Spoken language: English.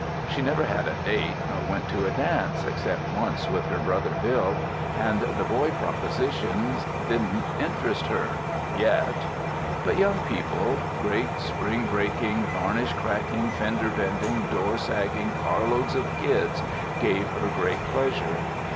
She never had a "date," nor went to a dance, except once with her brother, Bill, and the "boy proposition" didn't interest her yet. But young people great spring breaking, varnish cracking, fender bending, door sagging carloads of "kids" gave her great pleasure.